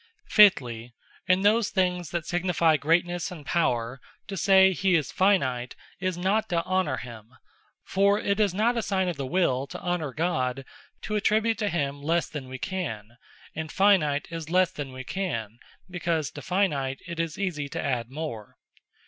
Fifthly, in those things that signifie Greatnesse, and Power; to say he is Finite, is not to Honour him: For it is not a signe of the Will to Honour God, to attribute to him lesse than we can; and Finite, is lesse than we can; because to Finite, it is easie to adde more.